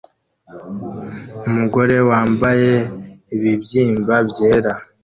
Umugore wambaye ibibyimba byera